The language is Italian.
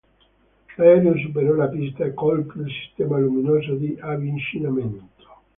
L'aereo superò la pista e colpì il sistema luminoso di avvicinamento.